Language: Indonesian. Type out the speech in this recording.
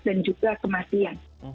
dan juga kematian